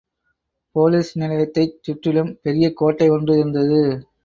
Police நிலையத்தைச் சுற்றிலும் பெரிய கோட்டை ஒன்று இருந்தது.